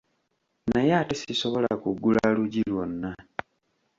Naye ate sisobola kuggula luggi lwonna.